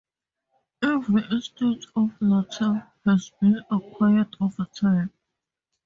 Every instance of latah has been acquired over time.